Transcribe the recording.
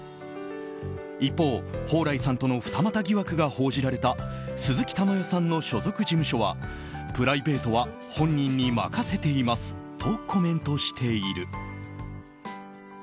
一方、蓬莱さんとの二股疑惑が報じられた鈴木たまよさんの所属事務所はプライベートは、本人に任せていますとコメントしている。